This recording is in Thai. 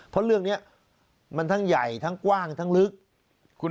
เพราะเรื่องนี้มันทั้งใหญ่ทั้งกว้างทั้งลึก